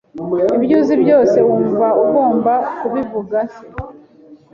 ibyo uzi byose wumva ugomba kubivugas